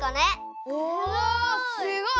おすごい！